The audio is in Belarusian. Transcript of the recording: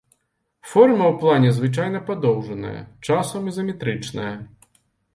Форма ў плане звычайна падоўжаная, часам ізаметрычная.